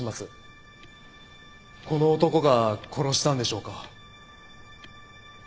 この男が殺したんでしょうか。